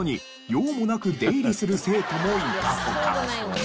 用もなく出入りする生徒もいたとか。